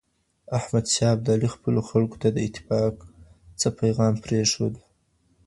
احمد شاه ابدالي خپلو خلګو ته د اتفاق څه پیغام پرېښود؟